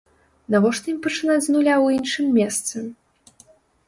Навошта ім пачынаць з нуля ў іншым месцы?